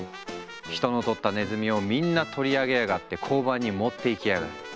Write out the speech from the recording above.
「人の捕った鼠を皆んな取り上げやがって交番に持って行きあがる。